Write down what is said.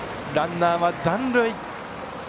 ランナーは残塁。